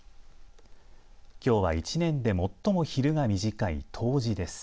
きょうは１年で最も昼が短い冬至です。